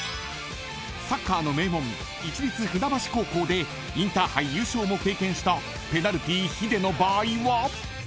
［サッカーの名門市立船橋高校でインターハイ優勝も経験したペナルティヒデの場合は］